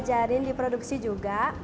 diajarin di produksi juga